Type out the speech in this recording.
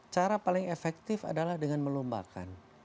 cara paling efektif adalah dengan melombakan